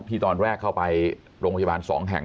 ตอนแรกเข้าไปโรงพยาบาล๒แห่ง